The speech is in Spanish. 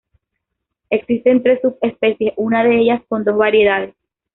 Existen tres subespecies, una de ellas con dos variedades.